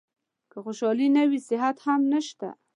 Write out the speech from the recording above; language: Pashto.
که خوشالي نه وي صحت هم نشته .